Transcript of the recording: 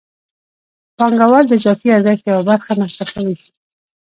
پانګوال د اضافي ارزښت یوه برخه مصرفوي